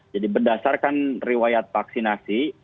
jadi berdasarkan riwayat vaksinasi